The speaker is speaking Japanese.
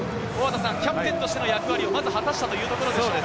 キャプテンとしての役割、まず果たしたというところでしょうか。